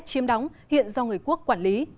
is chiếm đóng hiện do người quốc quản lý